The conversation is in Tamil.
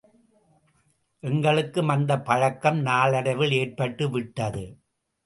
எங்களுக்கும் அந்தப் பழக்கம் நாளடைவில் ஏற்பட்டுவிட்டது.